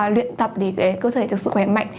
luyện tập để cơ thể thực sự khỏe mạnh